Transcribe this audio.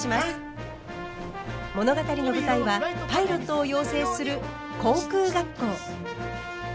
物語の舞台はパイロットを養成する航空学校。